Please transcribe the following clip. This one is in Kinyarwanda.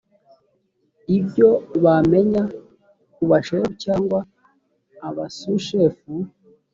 ibyo bamenya ku bashefu cyangwa abasushefu